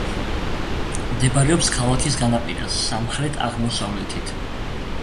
მდებარეობს ქალაქის განაპირას, სამხრეთ-აღმოსავლეთით.